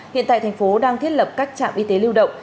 hiện tại thành phố đang thiết lập các trạm y tế lưu động